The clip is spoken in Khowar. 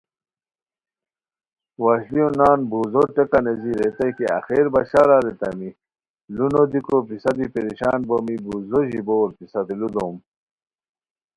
وشلیو نان بوزو ٹیکہ نیزی ریتائے کی آخر بشار اریتامی ُ لو نو دیکو پِسہ دی پریشان بومی بوزو ژیبور پستے ُ لو دوم